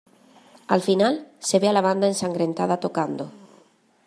Al final, se ve a la banda ensangrentada tocando.